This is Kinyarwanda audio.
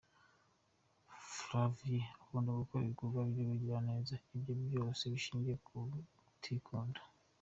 Flavien akunda gukora ibikorwa by’ubugiraneza, ibye byose bishingiye mu kutikunda.